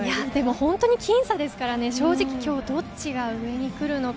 ほんとに僅差ですから、正直どっちが上に来るのか。